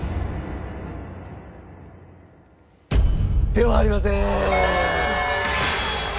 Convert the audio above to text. ではありませーん。